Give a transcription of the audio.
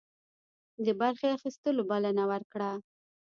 د برخي اخیستلو بلنه ورکړه.